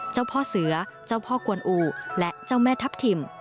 เจ้าพ่อเสือเจ้าพ่อกวนอูและเจ้าแม่ทัพทิม